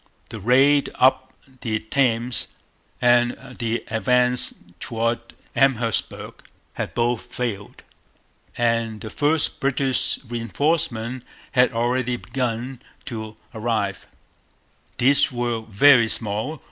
The raid up the Thames and the advance towards Amherstburg had both failed. And the first British reinforcements had already begun to arrive. These were very small.